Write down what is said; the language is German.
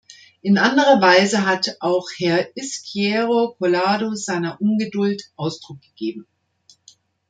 In anderer Weise hat auch Herr Izquierdo Collado seiner Ungeduld Ausdruck gegeben.